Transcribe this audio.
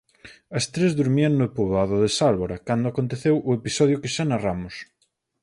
As tres durmían no poboado de Sálvora, cando aconteceu o episodio que xa narramos.